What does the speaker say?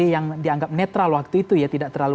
yang dianggap netral waktu itu ya tidak terlalu